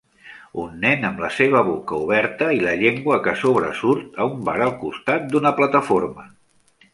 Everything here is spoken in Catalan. Un nen amb la seva boca oberta i la llengua que sobresurt a un bar al costat d'una plataforma